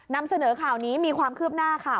นำเสนอข่าวนี้มีความคืบหน้าค่ะ